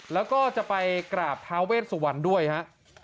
แล้วก็จะไปกราบเท้าเวชสุวรรณด้วยฮะ